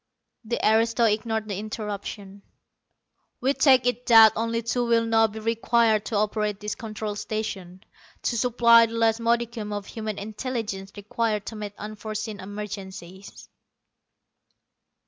The aristo ignored the interruption. "We take it that only two will now be required to operate this Control Station, to supply the last modicum of human intelligence required to meet unforeseen emergencies."